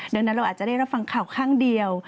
ดังนั้นเราอาจจะได้รับฟังข่าวข้างเดียว